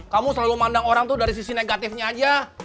kamu selalu mandang orang tuh dari sisi negatifnya aja